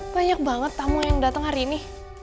banyak banget tamu yang datang hari ini